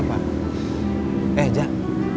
jangan jangan jangan